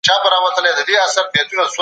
د ځوانانو روزنه د هېواد راتلونکی جوړوي.